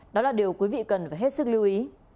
đó là điều quý vị cần phải hết sức lưu ý